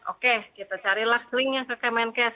oke kita carilah linknya ke kemenkes